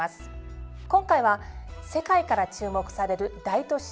今回は世界から注目される大都市